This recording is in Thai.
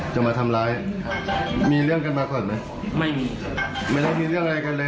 จะมาทำร้ายมีเรื่องกันมาก่อนไหมไม่มีไม่ได้มีเรื่องอะไรกันเลย